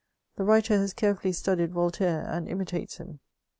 The writer has carefiEdly studied Voltaire, and imitates him.